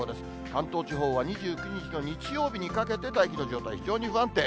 関東地方は２９日の日曜日にかけて、大気の状態、非常に不安定。